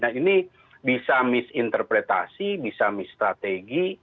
nah ini bisa misinterpretasi bisa mistrategi